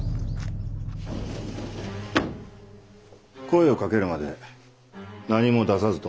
声をかけるまで何も出さずともよいぞ。